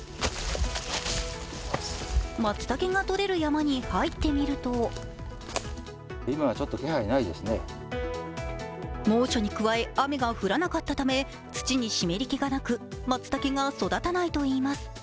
まつたけがとれる山に入ってみると猛暑に加え、雨が降らなかったため土に湿りけがなくまつたけが育たないといいます。